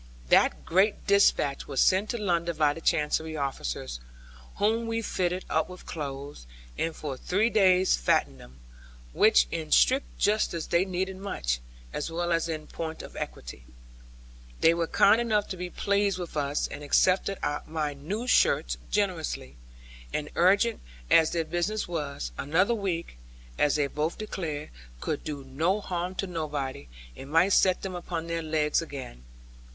That great despatch was sent to London by the Chancery officers, whom we fitted up with clothes, and for three days fattened them; which in strict justice they needed much, as well as in point of equity. They were kind enough to be pleased with us, and accepted my new shirts generously; and urgent as their business was, another week (as they both declared) could do no harm to nobody, and might set them upon their legs again.